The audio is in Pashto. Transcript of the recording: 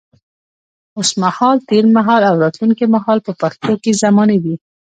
اوس مهال، تېر مهال او راتلونکي مهال په پښتو کې زمانې دي.